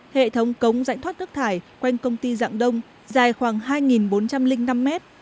hệ thống cống rãnh thoát nước thải quanh công ty dạng đông dài khoảng hai bốn trăm linh năm mét